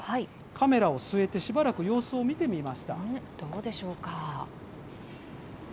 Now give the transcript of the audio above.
カメラを据えて、しばらく様子をどうでしょうか。